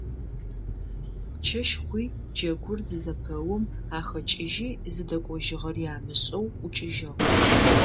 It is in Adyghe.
Чэщ хъуи джэгур зызэпэум ахэкӏыжьи зыдэкӏожьыгъэри амышӏэу ӏукӏыжьыгъ.